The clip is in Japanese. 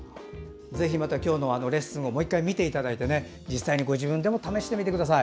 ぜひ今日のレッスンをもう１回見てもらって実際にご自分でも試してみてください。